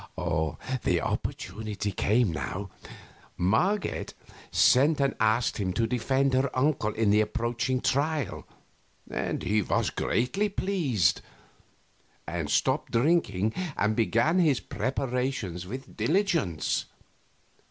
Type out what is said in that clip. The opportunity came now. Marget sent and asked him to defend her uncle in the approaching trial, and he was greatly pleased, and stopped drinking and began his preparations with diligence.